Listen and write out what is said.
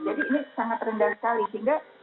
jadi ini sangat rendah sekali sehingga